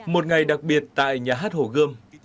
một ngày đặc biệt tại nhà hát hồ gươm